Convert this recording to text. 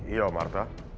iya om arta